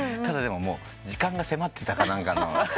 ただでも時間が迫ってたか何かの。